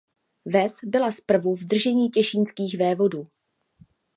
Ves byla zprvu v držení těšínských vévodů.